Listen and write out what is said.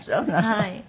はい。